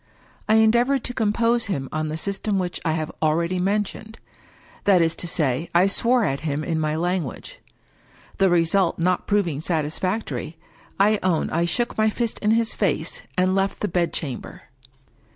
I en deavored to compose him on the system which 1 have al ready mentioned — ^that is to say, I swore at him in my lan* guage. The result not proving satisfactory, I own I shook my fist in his face, and left the bedchamber.